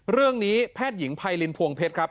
เรื่องนี้แพทย์หญิงไพรินพวงเพชรครับ